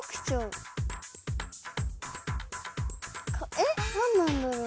えっなんなんだろう。